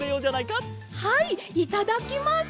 はいいただきます！